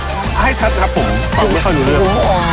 ให้ชัดครับผมพูดไม่ค่อยรู้เรื่อง